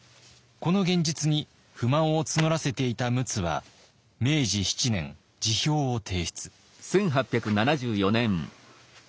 この現実に不満を募らせていた陸奥は明治７年辞表を提出。